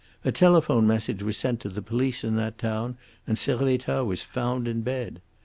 A telephone message was sent to the police in that town, and Servettaz was found in bed.